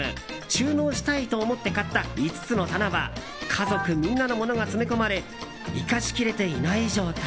収納したい！と思って買った５つの棚は家族みんなのものが詰め込まれ生かし切れていない状態。